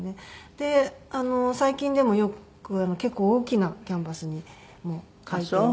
で最近でもよく結構大きなキャンバスにも描いていて。